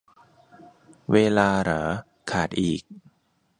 เวลา เหรอ ขาดอีก